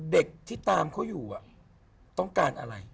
เด็กที่ตามเขาอยู่ต้องการอะไร